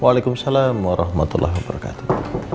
waalaikumsalam warahmatullahi wabarakatuh